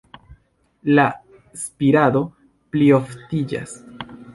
La spirado plioftiĝas.